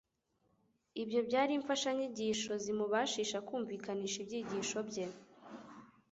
ibyo byari imfashanyigisho zimubashisha kumvikanisha ibyigisho bye,